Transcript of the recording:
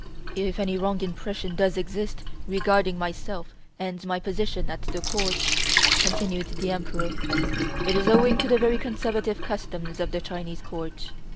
"If any wrong impression does exist regarding myself and my position at the Court," continued the Emperor, "it is owing to the very conservative customs of the Chinese Court.